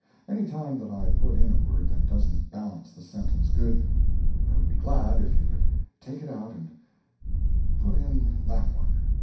Any time that I put in a word that doesn't balance the sentence good, I would be glad if you would take it out and put in that one.)